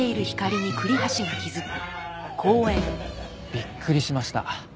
びっくりしました。